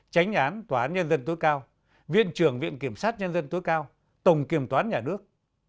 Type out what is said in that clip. tránh án tòa án nhân dân tối cao viện trường viện kiểm sát nhân dân tối cao tổng kiểm toán nhà nước